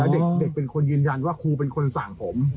เด็กเป็นคนยืนยันว่าครูเป็นคนสั่งผม